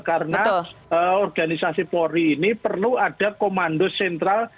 karena organisasi polri ini perlu ada komando sentral